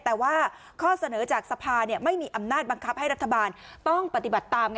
แต่ว่าข้อเสนอจากสภาไม่มีอำนาจบังคับให้รัฐบาลต้องปฏิบัติตาม